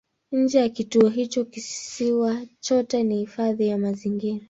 Nje ya kituo hicho kisiwa chote ni hifadhi ya mazingira.